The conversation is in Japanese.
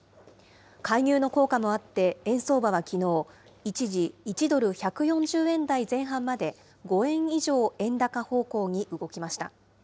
介入の効果もあって、円相場はきのう、一時１ドル１４０円台前半まで、５円以上円高方向に動きました。